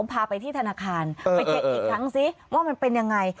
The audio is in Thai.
พาไปที่ธนาคารไปเช็คอีกครั้งสิว่ามันเป็นยังไง